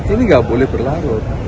ini nggak boleh berlarut